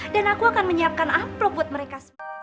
dan aku akan menyiapkan amplu buat mereka